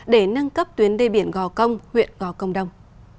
để nâng cấp tuyến đê biển gò công huyện gò công đông